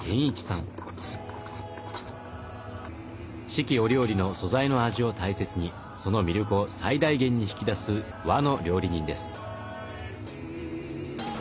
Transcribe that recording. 四季折々の素材の味を大切にその魅力を最大限に引き出す和の料理人です。